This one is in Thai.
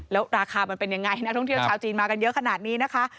แล้วราคามันเป็นยังไงนักท่องเที่ยวชาวจีนมากันเยอะขนาดนี้นะคะ